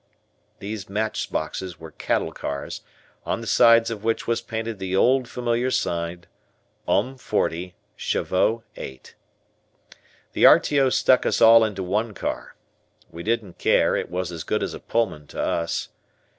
These match boxes were cattle cars, on the sides of which was painted the old familiar sign, "Hommes 40, Chevaux 8." The R.T.O. stuck us all into one car. We didn't care, it was as good as a Pullman to us.